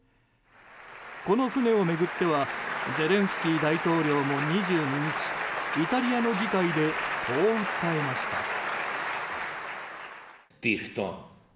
この船を巡ってはゼレンスキー大統領も２２日イタリアの議会でこう訴えました。